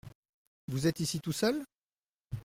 Vous êtes ici tout seul ?